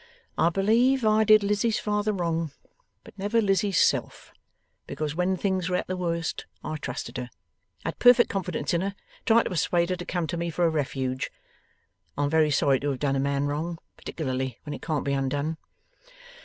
I believe I did Lizzie's father wrong, but never Lizzie's self; because when things were at the worst I trusted her, had perfect confidence in her, and tried to persuade her to come to me for a refuge. I am very sorry to have done a man wrong, particularly when it can't be undone.